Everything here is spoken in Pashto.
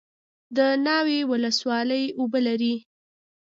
د ناوې ولسوالۍ اوبه لري